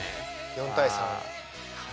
４対３。